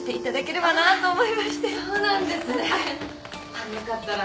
これよかったら。